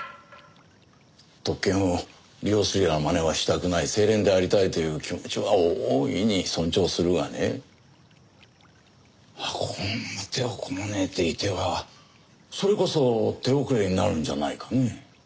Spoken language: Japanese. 特権を利用するような真似はしたくない清廉でありたいという気持ちは大いに尊重するがねこのまま手をこまねいていてはそれこそ手遅れになるんじゃないかね。